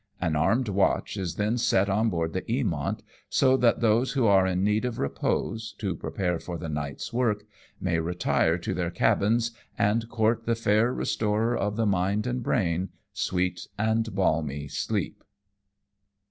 An armed watch is then set on board the Eamont, so that those who are in need of repose, to prepare for the night's work, may retire to their cabins and court the fair restorer of the mind and brain, sweet and balmy sleep.